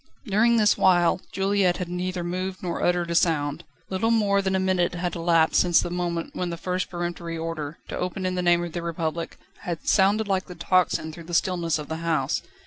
During this while, Juliette had neither moved nor uttered a sound. Little more than a minute had elapsed since the moment when the first peremptory order, to open in the name of the Republic, had sounded like the tocsin through the stillness of the house.